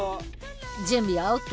準備はＯＫ？